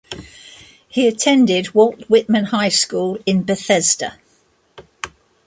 He attended Walt Whitman High School in Bethesda.